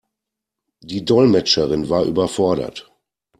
Die Dolmetscherin war überfordert.